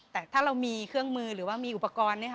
แต่ถ้าเรามีเครื่องมือหรือว่ามีอุปกรณ์